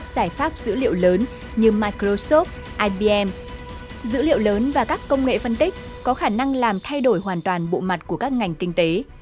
dữ liệu lớn và các công nghệ phân tích có khả năng làm thay đổi hoàn toàn bộ mặt của các ngành kinh tế